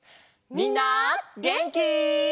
みんなげんき？